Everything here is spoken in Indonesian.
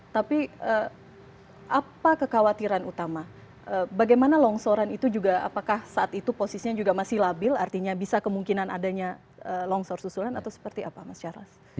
tapi apa kekhawatiran utama bagaimana longsoran itu juga apakah saat itu posisinya juga masih labil artinya bisa kemungkinan adanya longsor susulan atau seperti apa mas charles